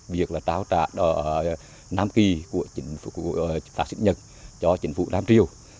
việc trao trả nam kỳ của chính phủ phát sinh nhật cho chính phủ nam triều